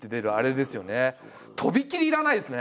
とびきり要らないですね。